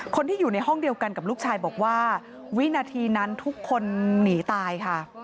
คนที่อยู่ในห้องเดียวกันกับลูกชายบอกว่าวินาทีนั้นทุกคนหนีตายค่ะ